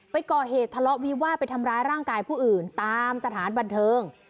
ไปก่อเหตุทะเลาะวิวาดไปทำร้ายร่างกายผู้อื่นตามสถานบันเทิง